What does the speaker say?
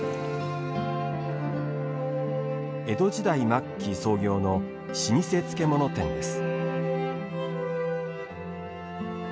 江戸時代末期創業の老舗漬物店です。